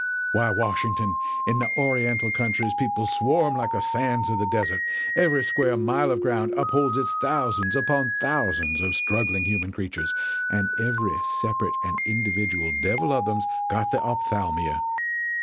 Why, Washington, in the Oriental countries people swarm like the sands of the desert; every square mile of ground upholds its thousands upon thousands of struggling human creatures and every separate and individual devil of them's got the ophthalmia!